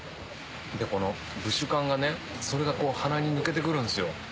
このブシュカンがねそれが鼻に抜けてくるんですよ。